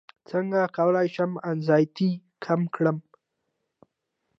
څنګه کولی شم انزیتي کمه کړم